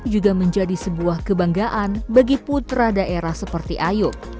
juga menjadi sebuah kebanggaan bagi putra daerah seperti ayu